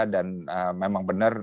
dan memang benar